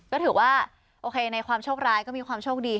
ก็ถือว่าโอเคในความโชคร้ายก็มีความโชคดี